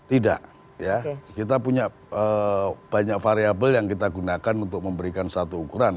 tidak ya kita punya banyak variable yang kita gunakan untuk memberikan satu ukuran